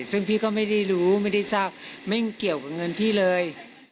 ซึ่งพี่ก็ไม่ได้รู้ไม่ได้ทราบไม่เกี่ยวกับเงินพี่เลย